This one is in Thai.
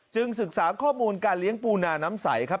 ศึกษาข้อมูลการเลี้ยงปูนาน้ำใสครับ